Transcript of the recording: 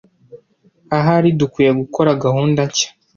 Ahari dukwiye gukora gahunda nshya.